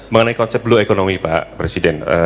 mengenai konsep blue economy pak presiden